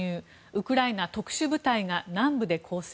ウクライナ特殊部隊が南部で攻勢。